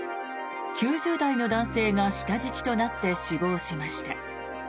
９０代の男性が下敷きとなって死亡しました。